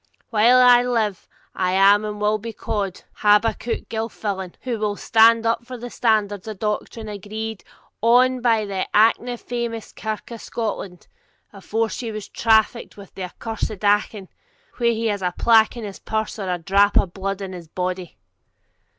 While I live I am and will be called Habakkuk Gilfillan, who will stand up for the standards of doctrine agreed on by the ance famous Kirk of Scotland, before she trafficked with the accursed Achan, while he has a plack in his purse or a drap o' bluid in his body.'